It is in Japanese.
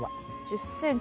１０ｃｍ。